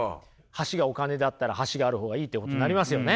橋がお金だったら橋がある方がいいってことになりますよね。